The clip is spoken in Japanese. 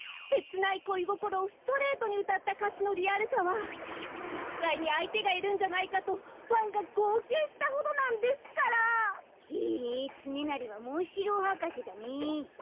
せつないこいごころをストレートにうたったかしのリアルさはじっさいにあいてがいるんじゃないかとファンがごうきゅうしたほどなんですから！へえつねなりはモンシローはかせだね。